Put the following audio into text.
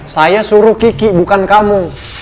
saya suruh kiki bukan kamu